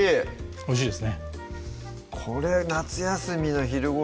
おいしいです